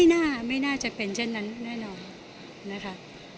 ไม่น่าจะเป็นเช่นนั้นแน่นอนนะคะ